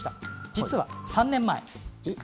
実は３年前。